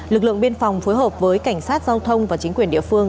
lực lượng biên phòng phối hợp với cảnh sát giao thông và chính quyền địa phương